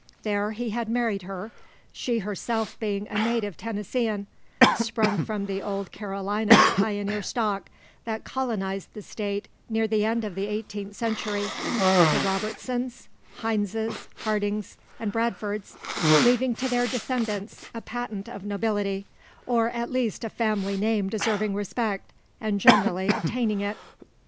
There he had married her, she herself being a native Tennesseean sprung from the old Carolina pioneer stock, that colonised the state near the end of the eighteenth century the Robertsons, Hyneses, Hardings, and Bradfords leaving to their descendants a patent of nobility, or at least a family name deserving respect, and generally obtaining it.